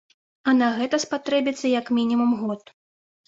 А на гэта спатрэбіцца як мінімум год.